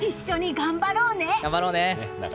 頑張ろうね！